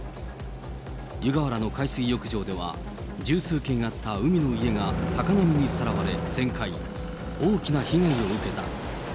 湯河原の海水浴場では、十数軒あった海の家が高波にさらわれ全壊。